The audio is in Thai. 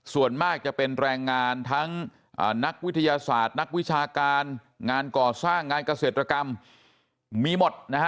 ส่วนมากจะเป็นแรงงานทั้งนักวิทยาศาสตร์นักวิชาการงานก่อสร้างงานเกษตรกรรมมีหมดนะฮะ